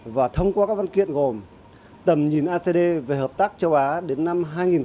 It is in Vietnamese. và thông qua các văn kiện gồm tầm nhìn acd về hợp tác châu á đến năm hai nghìn ba mươi